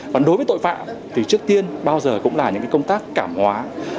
còn đối với tội phạm thì trước tiên bao giờ cũng là những công tác cảm hóa